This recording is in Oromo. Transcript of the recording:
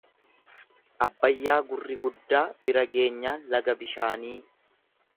Abbayyaa gurri guddaa bira geenyaan laga bishaanii.